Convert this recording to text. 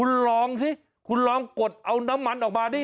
คุณลองสิคุณลองกดเอาน้ำมันออกมาดิ